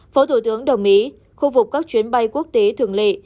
phó thủ tướng đồng ý khu vục các chuyến bay quốc tế thường lệ